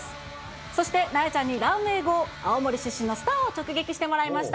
そして、なえちゃんにランウェイ後、青森出身のスターを直撃してもらいました。